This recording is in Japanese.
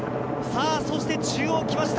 そして中央が来ました。